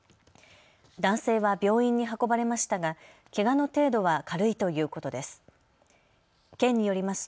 男性は病院に運ばれましたがけがの程度は軽いということです。